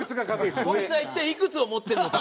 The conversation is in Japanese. こいつは一体いくつを持ってるのか？